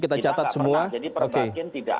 kita semua jadi perbakin tidak